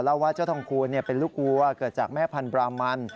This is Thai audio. ว่าเจ้าทองคูณเป็นลูกวัวเกิดจากแม่พันธรามัน